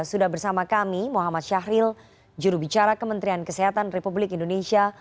sudah bersama kami muhammad syahril jurubicara kementerian kesehatan republik indonesia